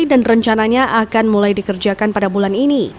dan rencananya akan mulai dikerjakan pada bulan ini